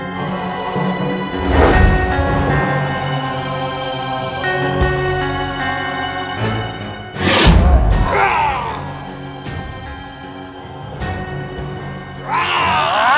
dari mudahingétais ibu bang servantika